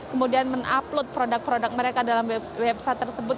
kemudian men upload produk produk mereka dalam website tersebut